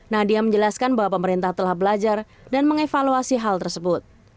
nadia menjelaskan bahwa pemerintah telah belajar dan mengevaluasi hal tersebut